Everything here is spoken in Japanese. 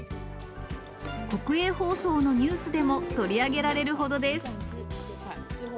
国営放送のニュースでも取り上げられるほどです。